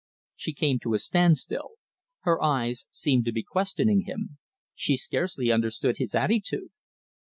She came to a standstill. Her eyes seemed to be questioning him. She scarcely understood his attitude.